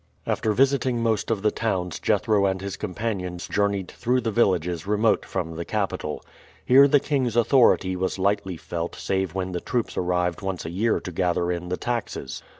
After visiting most of the towns Jethro and his companions journeyed through the villages remote from the capital. Here the king's authority was lightly felt save when troops arrived once a year to gather in the taxes.